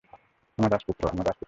আমার রাজপুত্র, আমার রাজপুত্র।